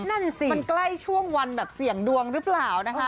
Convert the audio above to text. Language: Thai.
นั่นสิมันใกล้ช่วงวันแบบเสี่ยงดวงหรือเปล่านะคะ